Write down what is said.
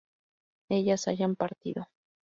ellas hayan partido